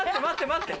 待って！